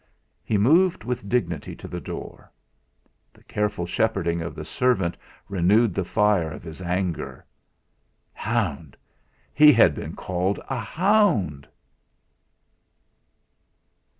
he moved with dignity to the door. The careful shepherding of the servant renewed the fire of his anger. Hound! He had been called a hound!